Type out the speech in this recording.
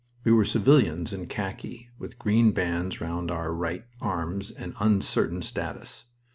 We were civilians in khaki, with green bands round our right arms, and uncertain status.